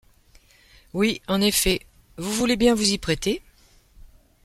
Oui, en effet. Vous voulez bien vous y prêter ?